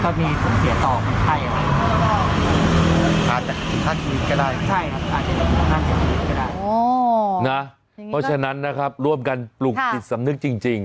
เพราะฉะนั้นนะครับร่วมกันปลุกจิตสำนึกจริง